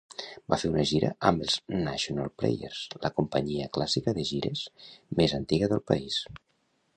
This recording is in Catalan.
Va fer una gira amb els National Players, la companyia clàssica de gires més antiga del país.